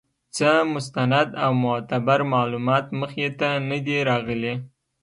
څۀ مستند او معتبر معلومات مخې ته نۀ دي راغلي